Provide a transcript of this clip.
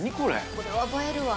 これは映えるわ。